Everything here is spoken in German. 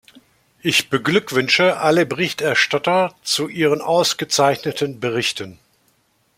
Ich beglückwünsche alle Berichterstatter zu ihren ausgezeichneten Berichten.